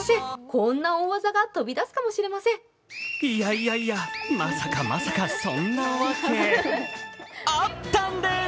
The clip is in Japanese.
いやいや、まさかまさかそんなわけあったんです！